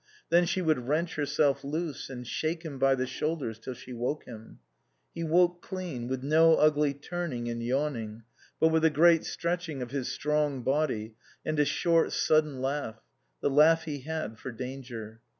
Then she would wrench herself loose and shake him by the shoulders till she woke him. He woke clean, with no ugly turning and yawning, but with a great stretching of his strong body and a short, sudden laugh, the laugh he had for danger.